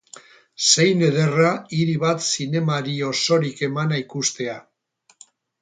Zein ederra hiri bat zinemari osorik emana ikustea.